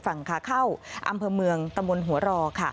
ฝั่งขาเข้าอำเภอเมืองตะมนต์หัวรอค่ะ